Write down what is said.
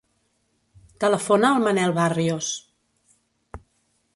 Telefona al Manel Barrios.